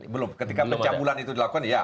belum ketika pencabulan itu dilakukan ya